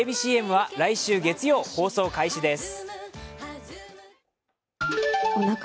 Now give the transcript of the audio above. ＣＭは来週月曜、放送開始です。